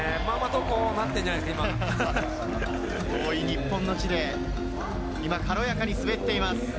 遠い日本の地で軽やかに滑っています。